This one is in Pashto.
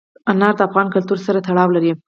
انار د افغان کلتور سره تړاو لري.